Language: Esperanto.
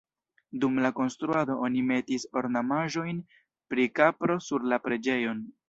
Dum la konstruado oni metis ornamaĵojn pri kapro sur la preĝejon.